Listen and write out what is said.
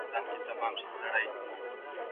غلیم تر نورو